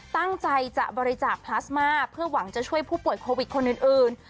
ตั้งใจจะบริจาคพลาสมาเพื่อหวังจะช่วยผู้ป่วยโควิดคนอื่น